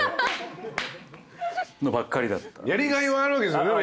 やりがいはあるわけですもんね